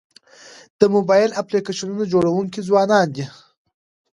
د موبایل اپلیکیشنونو جوړونکي ځوانان دي.